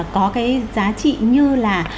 có cái giá trị như là